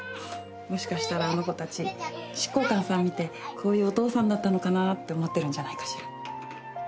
もしかしたらあの子たち執行官さん見てこういうお父さんだったのかな？って思ってるんじゃないかしら。